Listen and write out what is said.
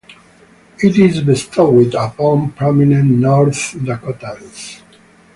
It is bestowed upon prominent North Dakotans.